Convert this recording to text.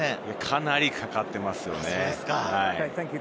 かなりかかっていますよね。